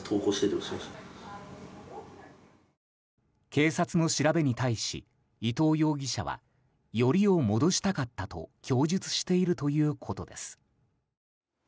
警察の調べに対し伊藤容疑者はよりを戻したかったと供述しているということです。